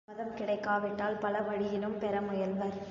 சம்மதம் கிடைக்காவிட்டால் பல வழியிலும் பெற முயல்வர்.